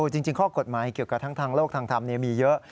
จริงข้อกฎหมายเกี่ยวกับทั้งทางโลกทางธรรมมีเยอะ